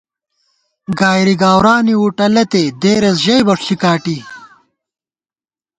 گائری گاؤرانی وُٹہ لَتے دېرېس ژئیبہ ݪِکاٹی